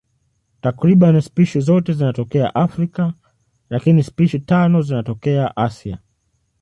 Takriban spishi zote zinatokea Afrika, lakini spishi tano zinatokea Asia.